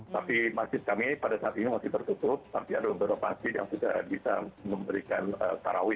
tapi masjid kami pada saat ini masih tertutup tapi ada beberapa masjid yang sudah bisa memberikan tarawih